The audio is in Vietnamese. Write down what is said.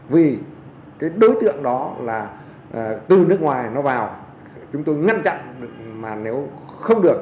vì đối tượng đó là từ nước ngoài nó vào chúng tôi ngăn chặn mà nếu không được